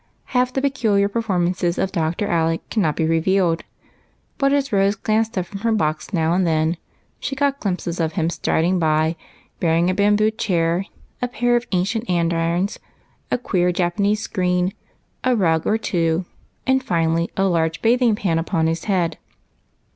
Half the peculiar performances of Dr. Alec cannot be revealed ; but as Rose glanced up from her box now and then she caught glimpses of him striding by, bearing a bamboo chair, a pair of ancient andirons, a queer Japanese screen, a rug or two, and finally a large bathing pan upon his head.